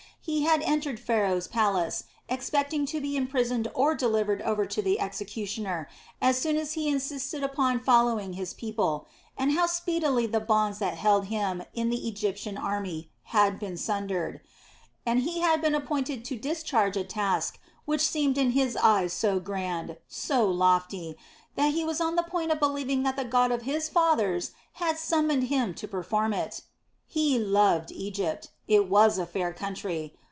He had entered Pharaoh's palace expecting to be imprisoned or delivered over to the executioner, as soon as he insisted upon following his people, and how speedily the bonds that held him in the Egyptian army had been sundered. And he had been appointed to discharge a task which seemed in his eyes so grand, so lofty, that he was on the point of believing that the God of his fathers had summoned him to perform it. He loved Egypt. It was a fair country.